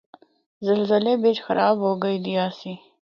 زلزلے بچ خراب ہو گئی دی آسی۔